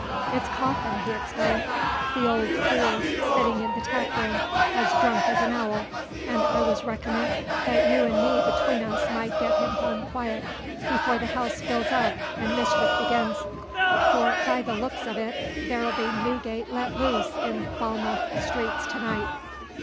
"It's Coffin," he explained. "The old fool's sitting in the taproom as drunk as an owl, and I was reckonin' that you an' me between us might get him home quiet before the house fills up an' mischief begins; for by the looks of it there'll be Newgate let loose in Falmouth streets to night."